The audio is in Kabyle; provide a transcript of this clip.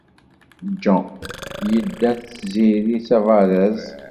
John yedda d Tiziri s abaraz.